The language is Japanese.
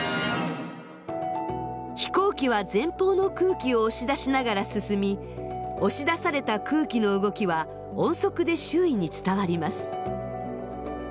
飛行機は前方の空気を押し出しながら進み押し出された空気の動きは音速で周囲に伝わります。